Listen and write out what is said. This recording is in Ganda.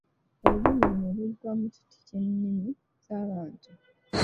"Olulimi luno lugwa mu kiti ky’ennimi za ""Bantu""."